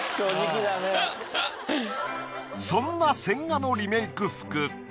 そんな千賀のリメイク服。